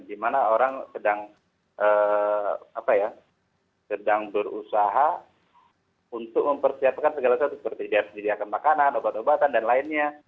di mana orang sedang berusaha untuk mempersiapkan segala sesuatu seperti dia harus menyediakan makanan obat obatan dan lainnya